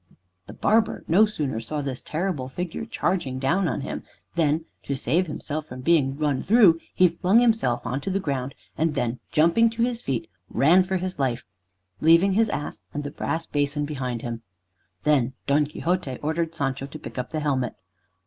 The barber no sooner saw this terrible figure charging down on him, than, to save himself from being run through, he flung himself on to the ground, and then jumping to his feet, ran for his life, leaving his ass and the brass basin behind him. Then Don Quixote ordered Sancho to pick up the helmet.